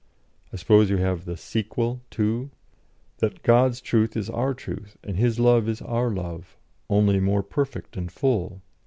(I suppose you have the 'Sequel,' too?), that God's truth is our truth, and His love is our love, only more perfect and full.